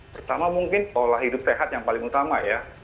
pertama mungkin pola hidup sehat yang paling utama ya